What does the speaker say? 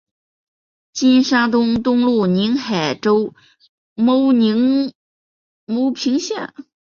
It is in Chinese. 金山东东路宁海州牟平县。